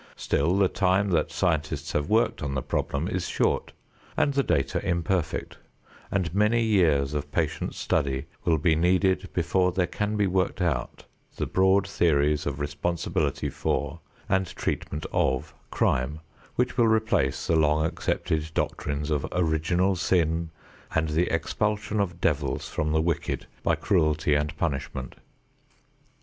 Still the time that scientists have worked on the problem is short and the data imperfect, and many years of patient study will be needed before there can be worked out the broad theories of responsibility for and treatment of crime which will replace the long accepted doctrines of original sin, and the expulsion of devils from the wicked by cruelty and punishment.